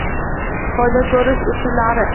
Foyda ko’rish usullari